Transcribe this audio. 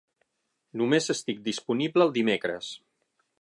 Només estic disponible el dimecres.